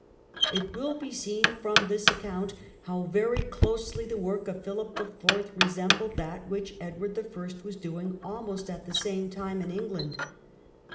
It will be seen from this account, how very closely the work of Philip IV. resembled that which Edward I. was dd!ng almost at the same time in England.